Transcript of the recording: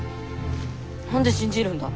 何で信じるんだ？